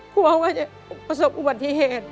เศรษฐ์เกิดประสบอุบัทที่เหตุ